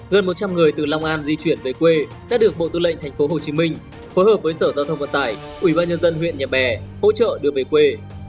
gần một trăm linh người từ long an di chuyển về quê đã được bộ tư lệnh thành phố hồ chí minh phối hợp với sở giao thông vận tải ủy ban nhân dân huyện nhà bè hỗ trợ đưa về quê